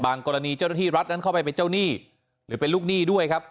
กรณีเจ้าหน้าที่รัฐนั้นเข้าไปเป็นเจ้าหนี้หรือเป็นลูกหนี้ด้วยครับ